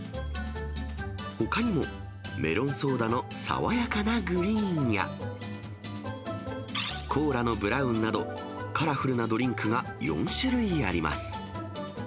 ほかにもメロンソーダの爽やかなグリーンや、コーラのブラウンなど、カラフルなドリンクが４種類あります。